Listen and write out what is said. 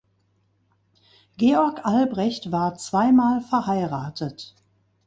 Georg Albrecht war zweimal verheiratet.